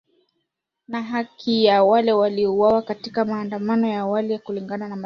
na haki kwa wale waliouawa katika maandamano ya awali kulingana na madaktari